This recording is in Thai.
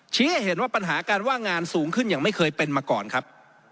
ให้เห็นว่าปัญหาการว่างงานสูงขึ้นอย่างไม่เคยเป็นมาก่อนครับ